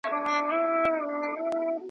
د تاریخي حافظې